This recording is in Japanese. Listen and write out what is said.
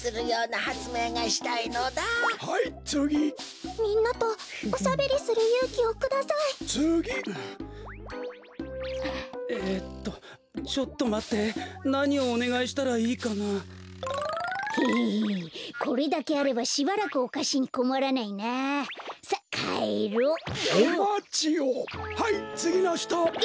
はいつぎのひと。え！？